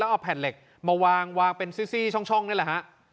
แล้วเอาแผ่นเหล็กมัววางวางเป็นซี่ซี่ช่องช่องได้แหละฮะ